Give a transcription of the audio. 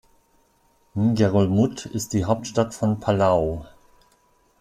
Ngerulmud ist die Hauptstadt von Palau.